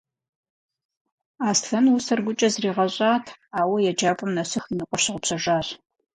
Аслъэн усэр гукӏэ зэригъэщӏат, ауэ еджапӏэм нэсыху и ныкъуэр щыгъупщэжащ.